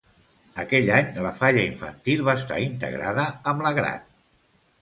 Aquell any, la falla infantil va estar integrada amb la gran.